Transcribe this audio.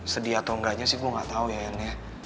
sedih atau enggaknya sih gue gak tau ya yan